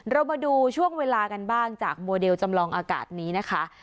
เรามาดูช่วงเวลากันบ้างจากโมเดลจำลองอากาศนี้นะคะ